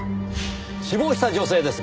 死亡した女性ですが。